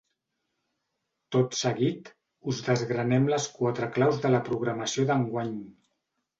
Tot seguit, us desgranem les quatre claus de la programació d’enguany.